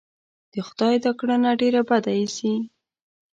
د خدای دا کړنه ډېره بده اېسي.